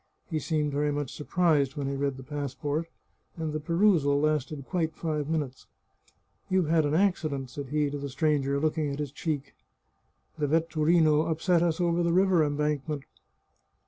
He seemed very much surprised when he read the passport, and the perusal lasted quite five minutes. " You've had an accident," said he to the stranger, look ing at his cheek. " The vetturino upset us over the river embankment."